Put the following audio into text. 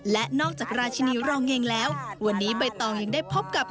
และนอกจากราชินีรองเฮงแล้ววันนี้ใบตองยังได้พบกับ